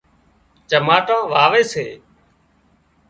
چماٽان واوي سي